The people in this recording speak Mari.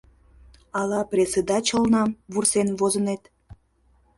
— Ала пресыдачылнам вурсен возынет?